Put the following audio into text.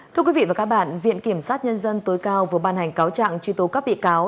thưa quý vị và các bạn viện kiểm sát nhân dân tối cao vừa ban hành cáo trạng truy tố các bị cáo